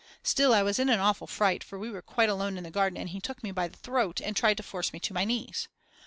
Still, I was in an awful fright, for we were quite alone in the garden and he took me by the throat and tried to force me to my knees.